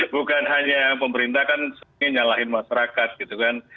bukan hanya pemerintah kan sering nyalahin masyarakat gitu kan